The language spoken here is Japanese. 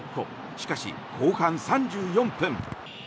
しかし、後半３４分。